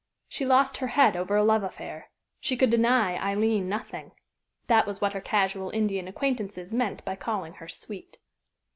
She lost her head over a love affair. She could deny Aileen nothing. That was what her casual Indian acquaintances meant by calling her "sweet."